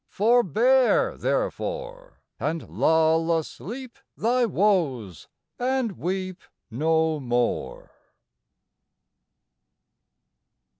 Forbear, therefore, And lull asleep Thy woes, and weep No more.